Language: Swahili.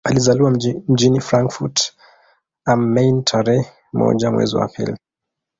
Alizaliwa mjini Frankfurt am Main tarehe moja mwezi wa pili